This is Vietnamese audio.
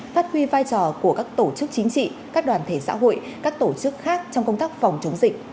phát huy vai trò của các tổ chức chính trị các đoàn thể xã hội các tổ chức khác trong công tác phòng chống dịch